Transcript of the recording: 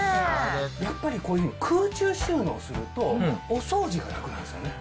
やっぱりこういうの空中収納するとお掃除が楽なんですよね。